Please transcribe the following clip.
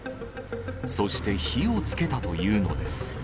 そして火をつけたというのです。